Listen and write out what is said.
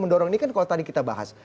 mendorong ini kan kalau tadi kita bahas